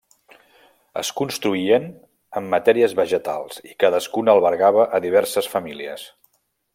Es construïen amb matèries vegetals i cadascuna albergava a diverses famílies.